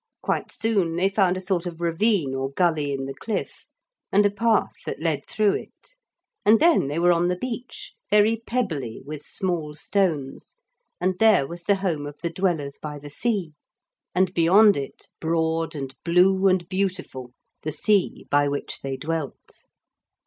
Quite soon they found a sort of ravine or gully in the cliff, and a path that led through it. And then they were on the beach, very pebbly with small stones, and there was the home of the Dwellers by the Sea; and beyond it, broad and blue and beautiful, the sea by which they dwelt.